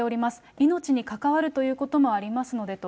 命に関わるということもありますのでと。